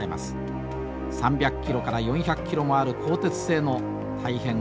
３００キロから４００キロもある鋼鉄製の大変重い板です。